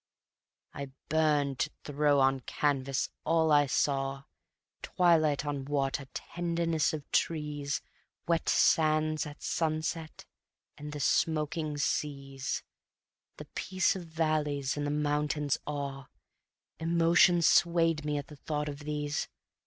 I burned to throw on canvas all I saw Twilight on water, tenderness of trees, Wet sands at sunset and the smoking seas, The peace of valleys and the mountain's awe: Emotion swayed me at the thought of these.